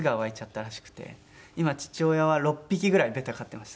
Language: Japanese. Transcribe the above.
今父親は６匹ぐらいベタ飼ってました。